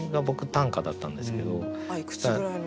いくつぐらいの時？